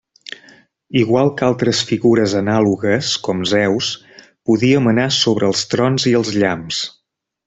Igual que altres figures anàlogues, com Zeus, podia manar sobre els trons i els llamps.